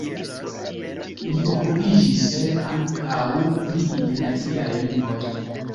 Li okupiĝis ankaŭ pri internaciaj lingvoj.